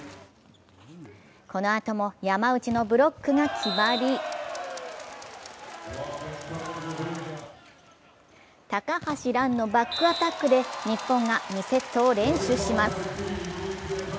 このあとも山内のブロックが決まり高橋藍のバックアタックで日本が２セットを連取します。